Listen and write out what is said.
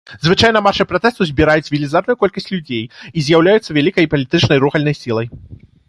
Звычайна маршы пратэсту збіраюць велізарную колькасць людзей і з'яўляюцца вялікай палітычнай рухальнай сілай.